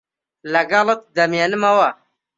لەگەڵت دەمێنمەوە.